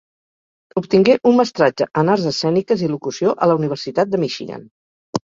Obtingué un mestratge en Arts Escèniques i Locució a la Universitat de Michigan.